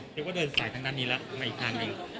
คือว่าเดินสายทั้งนั้นนี้แล้วมาอีกทางหนึ่ง